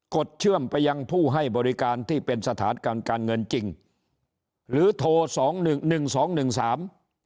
ดเชื่อมไปยังผู้ให้บริการที่เป็นสถานการณ์การเงินจริงหรือโทรสองหนึ่งหนึ่งสองหนึ่งสาม